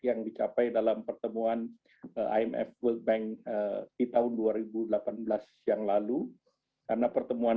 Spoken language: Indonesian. yang dicapai dalam pertemuan imf world bank di tahun dua ribu delapan belas yang lalu karena pertemuan